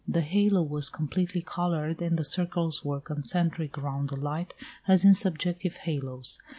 The halo was completely coloured, and the circles were concentric round the light as in subjective halos.